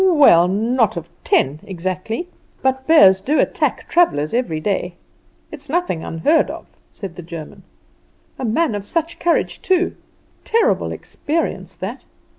"Well, not of ten exactly: but bears do attack travellers every day. It is nothing unheard of," said the German. "A man of such courage, too! Terrible experience that!"